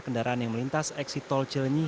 kendaraan yang melintas eksit tol cilenyi